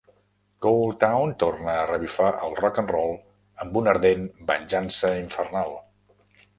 Ghoultown torna a revifar el rock-and-roll amb una ardent venjança infernal!